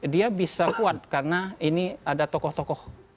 dia bisa kuat karena ini ada tokoh tokoh